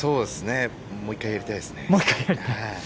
もう１回やりたいですね。